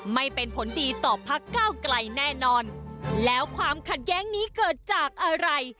ไม่เป็นผลดีต่อพักเก้าไกลแน่นอนแล้วความขัดแย้งนี้เกิดจากอะไร